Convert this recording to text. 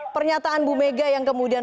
pernyataan bu mega yang kemudian